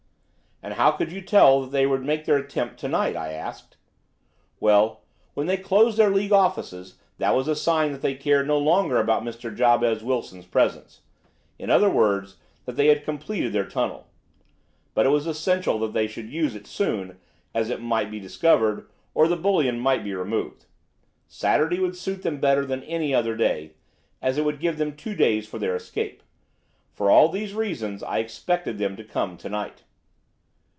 "And how could you tell that they would make their attempt to night?" I asked. "Well, when they closed their League offices that was a sign that they cared no longer about Mr. Jabez Wilson's presence—in other words, that they had completed their tunnel. But it was essential that they should use it soon, as it might be discovered, or the bullion might be removed. Saturday would suit them better than any other day, as it would give them two days for their escape. For all these reasons I expected them to come to night."